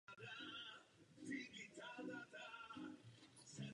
Byl to veterán mnoha bitev.